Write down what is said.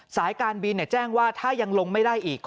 สายการบินแจ้งว่าถ้ายังลงไม่ได้อีก